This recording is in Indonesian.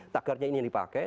tagarnya ini yang dipakai